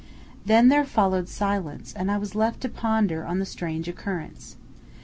Then there followed silence, and I was left to ponder on the strange occurrence.